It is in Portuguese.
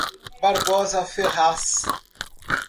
Barbosa Ferraz